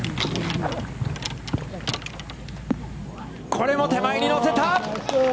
これも手前に乗せた。